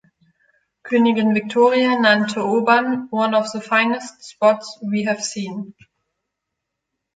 Königin Victoria nannte Oban „one of the finest spots we have seen“.